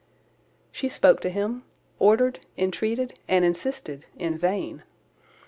She spoke to him, ordered, entreated, and insisted in vain.